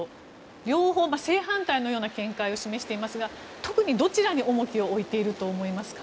両方、正反対のような見解を示していますが特にどちらに重きを置いていると思いますか？